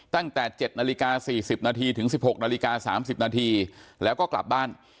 ตั้งแต่๗นาฬิกา๔๐นาทีถึง๑๖นาฬิกา๓๐นาทีแล้วก็กลับบ้าน